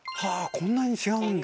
こんなに違うんだ。